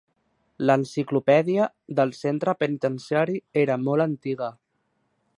L'enciclopèdia del centre penitenciari era molt antiga.